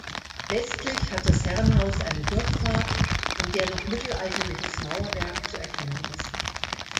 Westlich hat das Herrenhaus eine Durchfahrt an der noch mittelalterliches Mauerwerk zu erkennen ist.